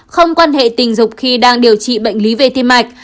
không quan hệ tình dục khi đang điều trị bệnh lý về tim mạch